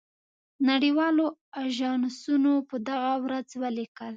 نړۍ والو آژانسونو په دغه ورځ ولیکل.